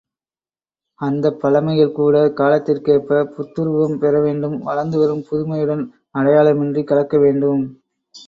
அந்தப்பழைமைகள் கூட காலத்திற்கேற்பப் புத்துருவம் பெறவேண்டும் வளர்ந்து வரும் புதுமையுடன் அடையாளமின்றிக் கலக்க வேண்டும்.